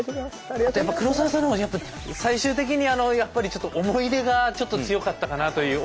あとやっぱ黒沢さんのほうは最終的にやっぱりちょっと思い出がちょっと強かったかなという。